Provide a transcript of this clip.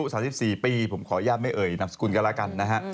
อายุ๓๔ปีผมขออียะแม่เอ่ยนับสกุลกันล่ะกันนะฮะ